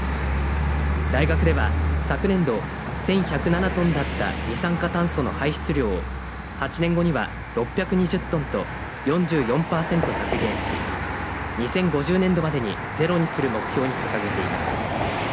大学では昨年度１１０７トンだった二酸化炭素の排出量を８年後には６２０トンと４４パーセント削減し２０５０年度までにゼロにする目標を掲げています。